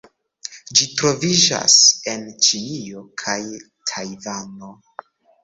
Ĝi troviĝas en Ĉinio kaj Tajvano.